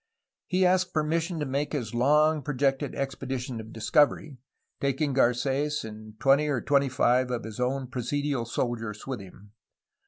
He asked permission to make his long projected expedition of discovery, taking Carets and twenty or twenty five of his own presidial soldiers with him.